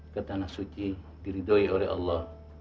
ke tanah suci diridoi oleh allah